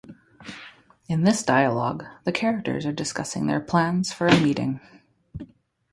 In this dialogue, the characters are discussing their plans for a meeting.